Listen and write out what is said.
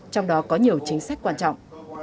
trong đó có nhiều chính sách quan trọng